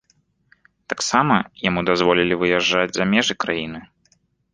Таксама яму дазволілі выязджаць за межы краіны.